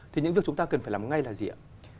thì những việc chúng ta cần phải làm ngay là gì ạ